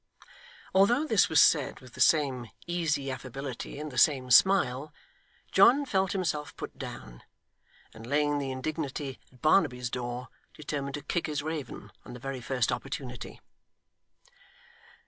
Although this was said with the same easy affability, and the same smile, John felt himself put down, and laying the indignity at Barnaby's door, determined to kick his raven, on the very first opportunity.